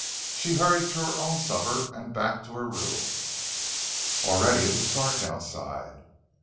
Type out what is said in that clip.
She hurried through her own supper and back to her room. Already it was dark outside.